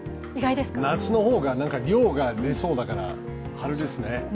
夏の方が量が出そうだから春ですね。